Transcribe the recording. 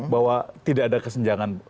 bahwa tidak ada kesenjangan